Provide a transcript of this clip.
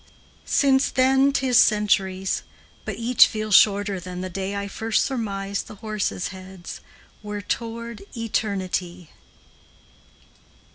Since then 't is centuries; but each Feels shorter than the day I first surmised the horses' heads Were toward eternity.